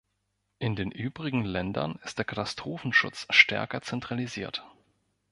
In den übrigen Ländern ist der Katastrophenschutz stärker zentralisiert.